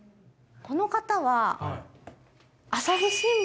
この方は。